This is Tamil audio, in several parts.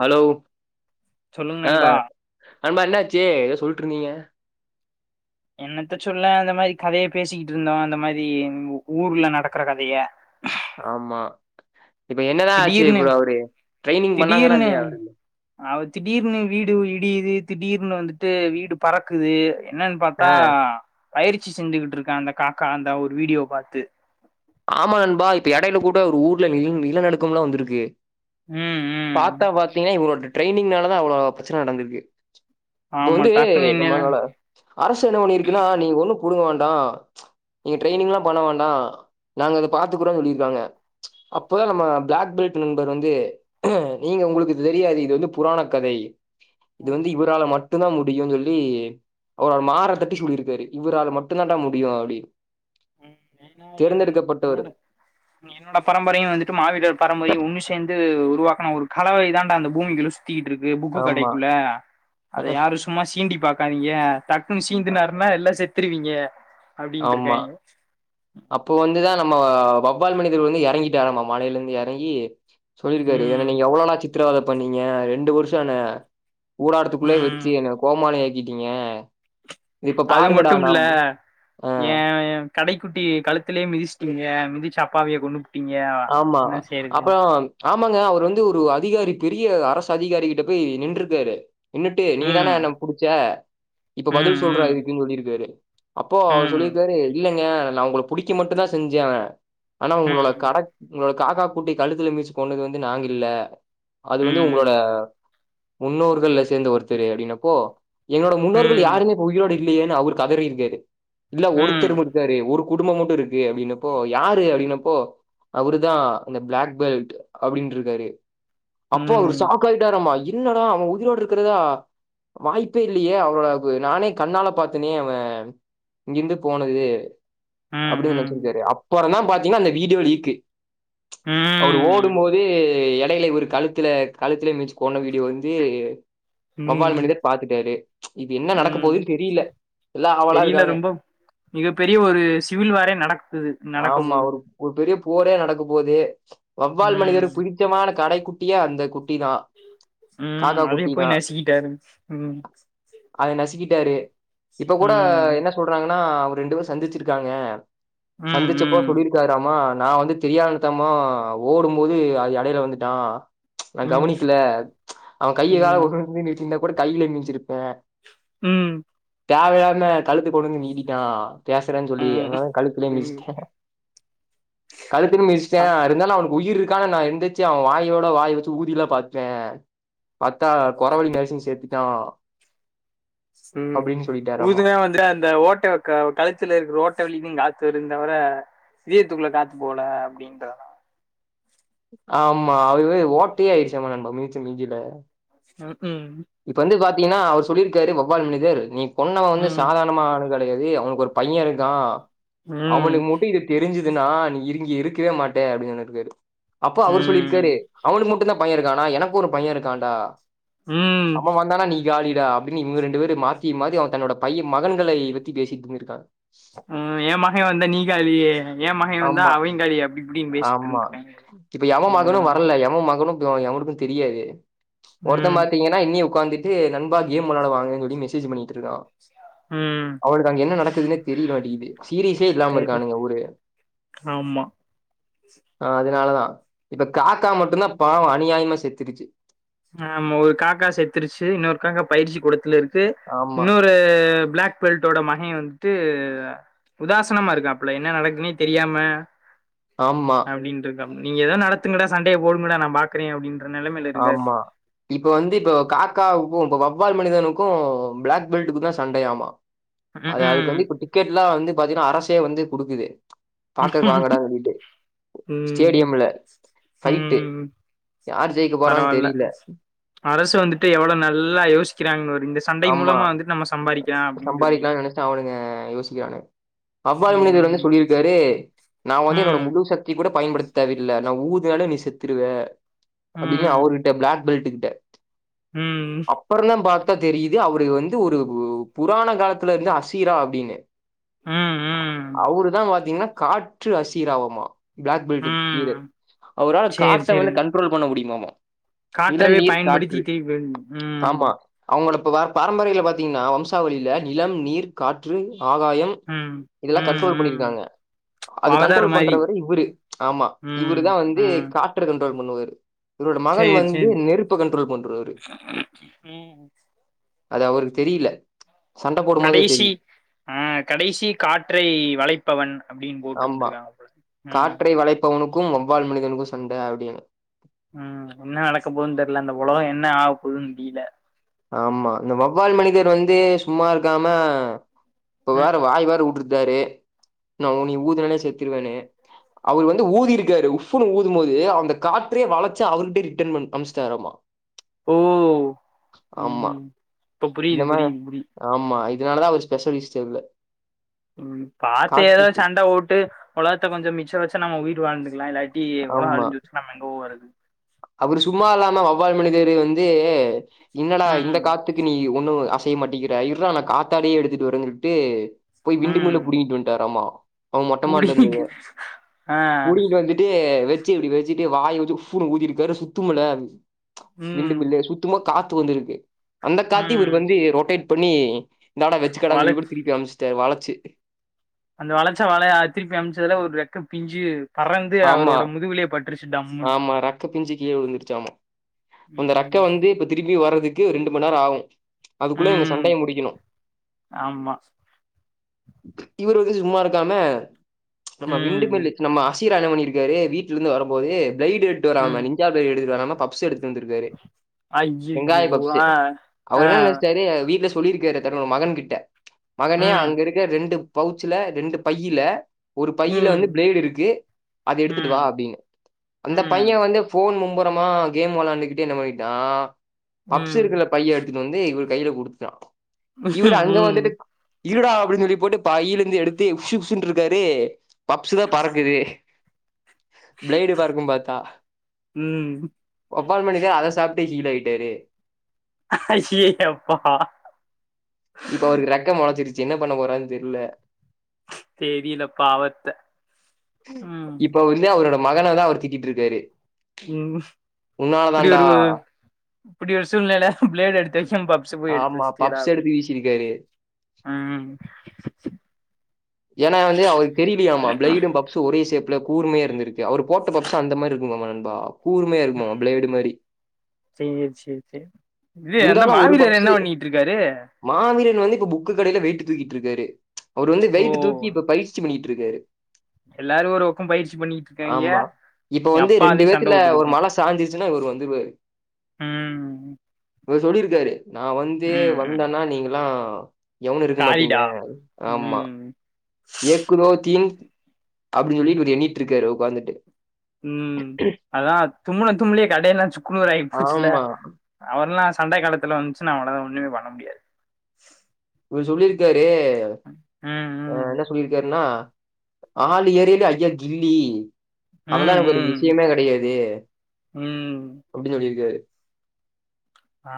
ஹலோ சொல்லுங்க ஆ நண்பா நண்பா என்னாச்சு ஏதோ சொல்லிட்டுருந்தீங்க என்னத்த சொல்ல அந்த மாரி கதைய பேசிக்கிட்டு இருந்தோம் அந்த மாரி ஊர்ல நடக்கற கதைய ஆமா இப்ப என்னதான் ஆச்சு திடீர்னு ஃப்ரோ அவரு ட்ரைனிங் பண்ணாங்களா இல்லையா அவரு அவரு திடீர்னு வீடு இடியுது திடீர்னு வந்துட்டு வீடு பறக்குது என்னன்னு ஆ. பாத்தா பயிற்சி செஞ்சிட்டு இருக்கு அந்த காக்கா அந்த ஒரு வீடியோ பாத்து ஆமா நண்பா இப்ப இடையில கூட ஒரு ஊர்ல நி நிலநடுக்கலாம் வந்திருக்கு உம் உம் பாத்தா பாத்தீங்கன்னா இவளோ டிரெயனிங்னால தா அவ்ளோ பிரச்சன நடந்திருக்கு இது ஆமா வந்து டக்குன்னு என்ன நம்மலோட அரசு என்ன பண்ணி இருக்குன்னா நீங்க ஒண்ணும் புடுங்க வேண்டாம் நீங்க ம், ம், ட்ரைனிங்லாம் பண்ண வேண்டாம் நாங்க அத பாத்துக்குறோம்னு சொல்லிருக்காங்க அப்போதான் நம்ம பிளாக் பெல்ட் நண்பர் வந்து நீங்க உங்களுக்கு தெரியாது இது வந்து புராண கதை இது வந்து ம், இவரால மட் டும் தா முடியும்னு சொல்லி அவர மாற தட்டி சொல்லிருக்காரு இவரால மட்டும்தான்ட முடியும் அப்டி ம். ஏன்னா என் தேர்ந்தெடுக்கப்பட்டவரு [unintelligible] என்னோட பரம்பரையும் வந்துட்டு மாவீர் பரம்பரையும் ஒன்னு சேந்து உருவாக்கண ஒரு கலவை இதாண்டா அந்த பூமிக்கு யூஸ் சுத்திட்டு இருக்கு புக்கு ஆமா கடைக்குள்ள அதை யாரும் சும்மா சீண்டி பாக்காதிங்க டக்குனு அ சீந்து நேருன எல்லாம் செ திருவீங்க அப்டின்ட்டு ஆமா இருக்காய்ங்க அப்போ வந்துதா நம்ம வவ்வால் மனிதர் வந்து எறங்கிட்டாறாமா மலைலந்து எறங்கி சொல்லிருக்காரு என்ன ம் நீங்க எவ்ளோலா சித்திரவத பண்ணீங்க ரெண்டு வர்ஷோ என்ன கூடாரத்துக்குள்ள ம் வச்சு என்ன கோமாளி ஆக்கிட்டீங்க இது இப்ப அது பாருங்கடா மட்டும் இல்ல நாம் அ ஏ கடைக்குட்டி கழுத்துலே மிதிச்சிட்டிங்க மிதிச்சு அப்பாவிய கொன்னு ஆமா அப்றோ ஆமாங்க அவர் வந்து ஒரு அதிகாரி பெரிய அரசு அதிகாரி கிட்ட போய் நின்றுக்காரு நின்னுட்டு நீ தானே ம் என்ன புடிச்ச இப்ப ம் பதில் சொல்றா ம் இதுக்குன் சொல்லிருக்காரு அப்போ அவர் ம் சொல்லிருக்காரு இல்லங்க நா உங்கள புடிக்க மட்டு தா செஞ்சே ஆனா உங்களோட ம் கட உங்களோட காக்கா குட்டி கழுத்துல மிதுச்சு கொன்னது வந்து நாங்கில்ல அது வந்து ம் உங்களோட முன்னோர்கள்ல சேர்ந்த ஒருத்தரு அப்டினப்போ எங்களோட முன்னோர்கள் ம் யாருமே இப்ப உயிரோட இல்லயேன் அவரு கதறிருக்காரு இல்ல ம் ஒருத்தருமட் இருக்காரு ஒரு குடும்போ மட்டு இருக்கு அப்டின்னப்போ யாரு அப்டின்னப்போ அவுரு தா இந்த பிளாக் பெல்ட் அப்டின்ருக்காரு ம் அப்போ அவரு ம் ஷாக் காய்டாறாமா இன்னடா அவே உயிரோடு இருக்றதா வாய்ப்பே இல்லியே அவர நானே கண்ணால பாத்தேனே அவே இங்கிர்ந்து போனது அப்டின் நெனச்சுருக்காரு அப்றோ தா பாத்தீங்னா அந்த வீடியோ லீக்கு ம் ம் எடைல இவுரு கழுத்துல கழுத்துல மிச்சு கொன்ன வீடியோ வந்து வவ்வால் ம் மனிதர் பாத்துட்டாரு இது என்ன நடக்க ம் போதுன் தெரில எல்லா ஆவலாருக்காங்க மிகப் பெரிய ஒரு சிவில் வாரே நடக்கு போது நடக்க ஆமா போது ஒரு ஒரு பெரிய போரே நடக்க போது வவ்வால் ம் மனிதரு புடித்தமான கடைக்குட்டியே அந்த குட்டி தா ம் அதையு போய் நசிக்கிட்டாரு ம் அத நசிக்கிட்டாரு இப்ப கூட ம். என்ன சொல்றாங்னா அவர் ரெண்டு பேரு சந்திச்சிருக்காங்க ம். சந்திச்சப்ப ம். சொல்லிருக்காறாமா நா வந்து தெரியா தனமா ஓடும்போது அது எடைல வந்துட்டா நா ம். கவனிக்கல அவே கைய கால ம். [inaudible] நீட்டிருந்தா கூட கைல மிதிச்சிருப்பே ம் தேவயில்லாம கழுத்து கொண்டு வந்து நீடிட்டா பேசுறேன் சொல்லி ம். அதனால கழுத்துலே ம். மிச்ட்டே கழுத்துல மிச்ட்டே ஆ. இருந்தாலு அவுனுக்கு உயிர்ருக்கு ஆனா நா எந்து ச்சு அவேன் வாயோட வாய் வச்சு ஊதிலா பாத்டே பாத்தா கொறவழி நசுங்கி செத்துட்டா ம் சொல்லிட்டாராமா ஊதுனா வந்து அந்த ஓட்ட க கழுத்துலருக்க ஓட்ட வழிலி காத்துருந்தவர இதயத்துகுள்ள காத்து போல அப்டின்றானா ஆ ஆமா அதுவே ஓட்டயாய்டுச்சாமா நண்பா மிச்ச மிதில ம் உம் இப்ப வந்து பாத்தீங்னா அவர் சொல்லிருக்காரு வவ்வால் மனிதர் நீ கொன்னவ வந்து ம். சாதாரணமா ஆள் கெடயாது அவனுக்கு ஒரு பையருக்கா ம். அவனுக்கு மட்டு இது தெரிஞ்சுதுனா நீ இருங்கி இருக்கவே மாட்டே அப்டின் சொன்னிருக்காரு அப்போ அவர் சொல்லிருக்காரு ம். அவனுக்கு மட்டுதா பையருக்கானா எனக்கு ஒரு பையருக்கான்டா ம். அவெ வந்தானா நீ காலிடா அப்டின் இவுங்க ரெண்டு பேரு மாத்தி மாத்தி அவ தன்னோட பையே மகன்களை பத்தி பேசிட்ருந்துருக்காங்க ம் எ மகே வந்தா நீ காலி எ மகே வந்தா ஆமா அவே காலி அப்டி இப்டின் ஆமா பேசிட்ருந்திருக்காய்ங்க இப்ப எவ மகனு வரல எவ மகனு எவனுக்கு தெரியாது ஒர்த்தே ம். பாத்தீங்க னா என்னிய உக்காந்துட்டு நண்பா கேம் வெளாட வாங்கன் சொல்லி மெசேஜ் பண்ணிட்ருக்கா ம் அவனுக்கு அங்க என்ன நடக்குதுனே தெரிய மாட்டிக்கிது சீரியஸே இல்லாம சரி. இருக்கானுங்க ஒரு ஆமா ஆ அதனாலதா இப்ப காக்கா மட்டுதா பாவோ அநியாயமா செத்துருச்சு ஆமா ஒரு காக்கா செத்துருச்சு இன்னொரு காக்கா பயிற்சி கூடத்துலருக்கு ஆமா இன்னொரு பிளக் பெல்ட்டோட மகே வந்துட்டு உதாசனமாருக்கு அப்பல என்ன நடக்குனே தெரியாம ஆமா அப்படின்ருக்கா நீங் ஏதோ நடத்துங்கடா சண்டே போடுங்கடா நா பாக்குறே அப்படின்ற நிலமைல இருக்கார் அ இப்ப வந்து இப்ப காக்கா உப்பொ பக்கொ ஃபுட்பால் மனிதனுக்கும் பிளாக் பெல்டக்கு தான் சண்டை ஆமா அது அதுக்கு ம்ஹும் வந்து குட்டி கிக்கெட்ல்லா வந்து பாத்தீங்கன்னா அரசே வந்து கொடுக்குது பாக்கக்கு வாங்கடா அப்டின்ட்டு ம் ஸ்டேடியம்ல ஃபைய்ட்டு ம் யாரு பரவால்ல அரசு வந்துட்டு எவ்வளோ நல்லா யோசிக்கிறாங்க ஒரு இன்னஸ் ஆமா சொல்லி சம்பாதிக்கலா நெனச்ட்டு அவனுங்க யோசிக்கிறானு அபால் முனிகள் வந்து ம் சொல்லியிருக்காரு நா வந்து என்னோட ம் முழு சத் கத்தி கூட பயபடுத்த தேவல்ல நா ஊதுனாலே நீ செத்துருவ அபபடின்னு ம் அவர்கிட்ட பிளாக் பெல்ட் கிட்ட ம் அப்புறோ தா பார் தெரியுது அவரு வந்து ஒரு புராண காலத்துலருந்து அசீரா அப்டின்னு ம் ம் அவுரு தா பாத்தீங்கன்னா காற்று அசிராவமா பிளக் பெல்ட் வீரர் ம் அவரால சேரி காட்ட சேரி வந்து கண்ட்ரோல் பண்ண முடியுமாமா நிலம், காற்றவே நீர், காற்று பயன்படுத்திட்டு ம் ஆமா அவங்களபா பாரம்பரில பாத்தீங்கன்னா வம்சாவளியில நிலம், நீர், காற்று, ஆகாயம் ம் இதெல்லா ம் கண்ட்ரோல் ம் பண்ணிருக்காங்க அது அவதார் கண்ட்ரோல் மாரி பண்றவரு இவரு ஆமா ம் இவருதா வந்து ம் காற்று கண்ட்ரோல் பண்ணுவாரு இவரோட மகன் சேரி வந்து சேரி நெருப்ப கண்ட்ரோல் பண்றவரு ம் அது அவருக்கு தெரில கடைசி ம் கடைசி காற்றை வளை ப்பவன் அப்படின் போட்டுருந்திருக்காங்க போல உம் இப்ப உனுக்கு வவ்வால் மனிதனுக்கு சண்ட அப்படினு ம் என்ன நடக்க போதுன்னு தெரில இந்த உலகோ என்ன ஆவ போகுதுன்னு முடியில ஆமா இந்த வவ்வால் மனிதர் வந்து சும்மாருக்காம இப்ப வேற வாய் ம் வேறு வுட்ருட்டாரு நோ நீ ஊதுனாலே செத்துருவன்னு அவர் வந்து ஊதிருக்காரு உஃப்ன்னு ஊதும் போது அந்த காத்தே வளைைச்சு அவருர்கிட்டே ரிட்டன் பண் அனுச்சுட்டுராமா ஓ ஆமா ம் இப்ப புரியுது இந்த மாதிரி புரியுது புரி ஆமா இதனாலதா அவரு ஸ்பெஷலிஸ்ட்ல்ல உம் பாத்து ஏதோ சண்ட ஓட்டு உலகத்த கொஞ்சோ மிச்சோ வச்சா நம்ம உயிர் வாழ்ந்துக்கலா இல்லா ட்டி எவ்ளோ அழிஞ்சுச்சன்னா நாம எங்க போறது அவரு சும்மால்லாம வவ்வால் மனிதரு வந்து என்னடா இந்த ம் காத் த்துக்கு நீ ஒண்ணு அசைய மாட்டிக்கிற இர்ரா நா காத்தாடிய எடுத்துட்டு வரன் சொல்ட்டு போய் விண்டு மில்ல ம் புடிங்கிட்டு வந்ட்டாராமா அவ மொட்ட மாடில இருந்தத புடிங்கிட்டு ஆ புடிங்கிட்டு வந்துட்டு வெ ச்சி இப்டி வச்சுட்டு வாய வச்சு உஃப்புன்னு ஊதிருக்காரு சுத்து முல்ல ம் விண்டுமில்லு சு த்தும்மா காத்து வந்துருக்கு அந்த காத்தயும் இவர் ம் வந்து ரொட்டேட் பண்ணி இந்தாட வச்சு கடானு சொல்லி வளச் கொடு திருப்பி அமுச்சிட்டாரு வளச்சு அந்த வளச்சா வளைய திருப்பி அமைச்சதுல ஒரு ரெக்க பிஞ்சு பறந்து அவரோட முதுவுலே பட்றுச்சு டம்மு ரக்க பிஞ்சு கீழ விழுந்துருச்சாமா அந்த ரக்க ம் வந்து இப்ப திருப்பி வர்றதுக்கு ரெண்டு மணி நேரோ ஆகு அதுக்குள்ளயு எங்க ம் சண்டைய முடிக்கணு ஆமா இவரு வந்து சும்மா இருக்காம நம்ம விண்டு மில் ம் நம்ம சீகாலாம் பண்ணிருக்கரு வீட்டல இருந்து வரும் போது பிளைடு எடுட்டு வராம ம் பிட்சா பிளை எடுத் வராமா பப்ஸ் எடுத் வந்திருக்காரு ஐயையோ வெங்காய பப்சு ஆ அவர் ஆ என்ன நெனச்சிட்டாரு வீட்ல சொல்லிருக்காரு தன்னோட மகன் கிட்ட மகனே ம் அங்க இருக்க ரெண்டு பவுச்சல ரெண்டு பையில ஒரு பையில ம் வந்து பிளேடு இருக்கு அத எடுத்துட்டு வா ம் அப்டின்னு அந்த ம் பைய வந்து வந்து ஃபோன் மும்புறமா கேம் வெளாண்டு கிட்டு என்ன பண்ணிட்டா பப்சு ம் இருக்குல பைய எடுத்துட்டு வந்து இவரு கையில கொடுத்துட்டா இவரு அங்க ம் வந்துட்டு இருடா அப்டின்னு சொல்லி போட்டு பையிலேந்து எடுத்து உஷு உஷு ன்றுக்காரு பப்ஸு லா பறக்குது பிளேடு பறக்கு பாத்தா ம் ஒப்பால் மணி தா அத சாப்ட்டு ஹீல் ஆயிட்டாரு அய்ய யப்பா இப்ப அவருக்கு ரக்க முளைச்சிருச்சு என்ன பண்ண போறாறுன்னு தெரில தெரில பாவத்த ம் இப்ப அவரு வந்து அவரோட மகன தா அவர் திட்டிட்டு இருக்காரு ம் உன்னால இப்டி தாண்டா ஒரு இப்டி ஒரு சூழ்நிலை ல பிளடு எடுத்து வைச்சே பப்ஸ் போய் எடுத்து வச்சுடயேடா செருப்பு வீசிருக்காரு ம் ஏன்னா வந்து அவருக்கு தெரியலியாமா பிளைடு பப் சோ ஒரே ஷேப்ல கூர்மையா இருந்துருக்கு அவரு போட்ட பப்ஸ் அந்த மாறி இருக்குமே நண்பா கூர்மையா இருக்குமா பிளேடு மாறி சேர் சேர் சேர் இது அந்த இருந்தாலு அவரு மாவீரர் பப்ஸு என்ன பண்ணிட்டு இருக்காரு மாவீரன் வந்து இப்ப புக்கு கடையில வெயிட்டு தூக்கிட்டு இருக்காரு ச் அவர் வந்து ஓ வெயிட்டு தூக்கி இப்ப பயிற்சி பண்ணிட்டு இருக்காரு எல்லாரு ஒரு பக்கோ பயிற்சி பண்ணிட்டு இருக்காங்க ஆமா இப்ப வந்து ரெண்டு பேத்துல ஒரு மல சாஞ்சிடுச்சுன்னா இவர் வந்துருவாரு ம் இவர் சொல்லிருக்காரு நா வந்து ம் ம் வந்தேன்னா நீங்கல்லா எவனு இருக்க மாட்டீங்க காளிடா ஆமா ம் ஏக் தோ தீன் அப்டி சொல்லி இவரு எண்ணிட்டு இருக்காரு உட்காந்துட்டு ம் அதா தும்முன தும்ளையே கடையெல்லா சுக்குன்னூரகி போச்சுல ஆமா அவர்ல்லா சண்ட காலத்துல வந்துச்சுனா அவளதா ஒண்ணுமே பண்ண முடியாது இவர் சொல்லிருக்காரு ம் ம் என்ன சொல்லிருக்காருன்னா ஆள் ஏரியில ஐயா கில்லி அதெல்லா எனக்கு ஒரு ம் விஷயமே கிடையாது ம் ம் அப்டி சொல்லிருக்காரு ஆ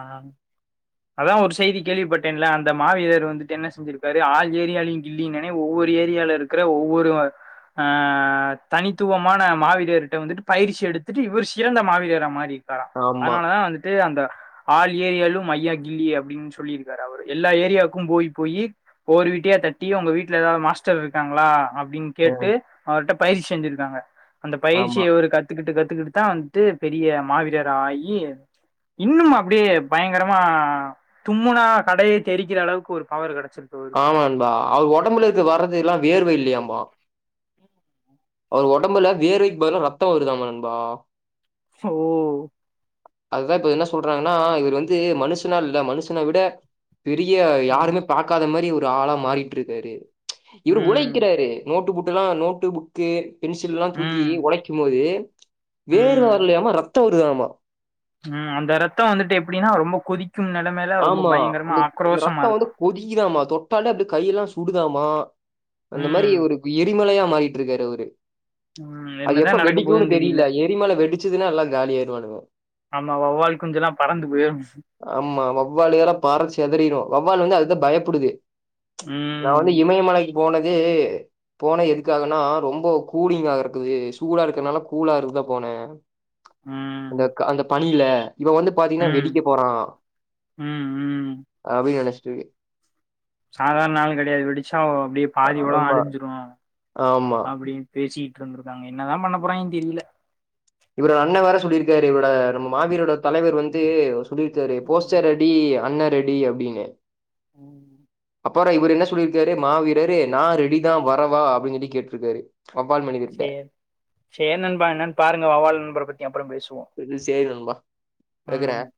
அதா ஒரு செய்தி கேள்விப்பட்டேன்ல அந்த மாவீரர் வந்துட்டு என்ன செல்லிருக்காரு ஆள் ஏரியாலயு கில்லினனே ஒவ்வொரு ஏரியால இருக்கிற ஒவ்வொரு ஆ தனித்துவமான மாவீரர்ட்ட வந்துட்டு பயிற்சி எடுத்துட்டு இவர் சிறந்த மாவிரரா மாறி தர ஆமா அதனாலதா வந்துட்டு அந்த ஆள் ஏரியாலும் ஐயா கில்லி அப்டின்னு சொல்லியிருக்கரு அவரு எல்லா ஏரியாவுக்கு போய் போயி ஒரு வீட்டயா தட்டி உங்க வீட்டுல ஏதாவது மாஸ்டர் இருக்காங்களா அப்டின்னு ம் கேட்டு அவர்கிட்ட பயிற்சி செஞ்சிருக்காங்க அந்த ஆமா பயிற்சிய இவரு கத் கத்துக்கிட்டு கத்துக்கிட்டு தா வந்துட்டு பெரிய மாவீரர் ஆகி இன்னும்மா அப்டியே பயங்கரமா தும்முனா கடையே தெரிக்கிற அளவுக்கு ஒரு பவர் கிடைச்சிட்டு ஆமா நண்பா அவர் ஒடம்புலேந்து வரது எல்லா வேர்வ இல்லியாம்பா அவர் உடம்புல வேர்வைக் பதிலா ரத்தம் வருதாம்பா நண்பா ஓ அதுதா இப்ப என்ன சொல்றாங்னா இவரு வந்து மனுஷுனா இல்ல மனுஷன விட பெரிய ம் யாருமே பாக்காத மாரி ஒரு ஆளா மாறிட்ருக்காரு இவுரு ம் உழைக்கிறாரு நோட்டு புட்டுலா நோட்டு புக்கு பென்சில்லா தூக்கி ம் ஒடைக்குபோது வேர்வ ம் வர்லியாம ரத்த வருதாமா ம் அந்த ரத்த வந்துட்டு எப்டினா ரொம்ப கொதிக்கும் நிலமைல ரொம்ப பயங்கரமா ஆக்ரோசமா இருக்கா கொதிக்கிதாமா தொட்டாலே அப்டி கையிலா சுடுதாமா அந்த மாரி ம் ஒரு எரிமலையா மாறிட்ருக்காரு அவுரு ம் அது என்னதா எப்ப நடக்க வெடிக்குனு போதுன்னு தெரில தெரியில எரிமல வெடிச்சுதுனா எல்லா காலியாய்ருவானுங்க ஆமா வவ்வால் குஞ்சுலா பறந்து பேய்ரு ஆமா வவ்வால் எலா பறஞ் செதறிரு வவ்வாலு வந்து அதுதா பயப்புடுது ம் இந்த இமயமலைக்கி போனது போன எதுக்காகனா ரொம்ப கூலிங்காக இருக்குது சூடா இருக்கற்னால கூல இருக்கதா போனே அந்த ம் க அந்த பணியில இவ வந்து பாத்தீங்னா ம் வெடிக்க போறா ம் ம் அப்டின் நெனச்டுர்கே சாதார் நாள் கெடையாது வெடிச்சா அப்டியே பாதிவளோ ஆமா அழிஞ்சிரு ஆமா அப்டின் பேசிட்ருந்திருக்காங்க என்னதா பண்ண போறாய்ங்கன் தெரியில இவரோட அண்ண வேர சொல்லியிருக்காரு இவரோட நம்ம மாவிரரோட தலைவர் வந்து சொல்லி வித்தாரே ம் போஸ்டர் அடி அண்ண ரெடி அப்டினு ம் அப்பறோ இவுரு என்ன சொல்லிருக்காரு மா வீரரே நா ரெடிதா வரவா அப்டிஞ் சொல்லி கேட்ருக்காரு அப்பால் மணிதி சேர் சேர் நண்பா என்னன் பாருங்க வவ்வால் நண்பர பத்தி அப்பற பேசுவோ இது சேர் நண்பா வைக்கிறே ம்